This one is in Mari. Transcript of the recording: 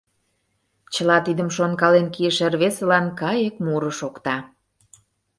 Чыла тидым шонкален кийыше рвезылан кайык муро шокта.